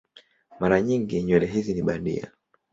Mara nyingi nywele hizi ni bandia.